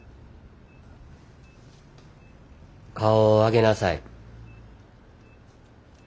顔を上げなさい。